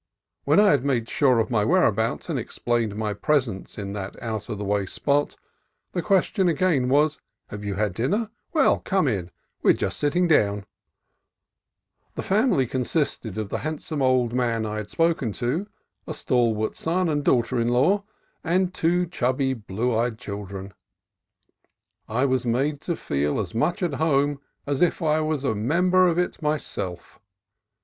When I had made sure of my whereabouts and explained my presence in that out of the way spot, the question again was, "Have you had dinner? Well, come in; we are just sitting down." SAN LUIS OBISPO 153 The family consisted of the handsome old man I had spoken to, a stalwart son and daughter in law, and two chubby, blue eyed children. I was made to feel as much at home as if I were a member of it my self.